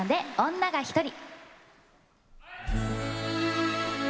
「女がひとり」。